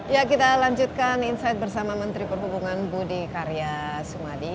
ya kita lanjutkan insight bersama menteri perhubungan budi karya sumadi